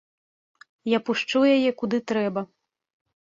Я пушчу яе куды трэба.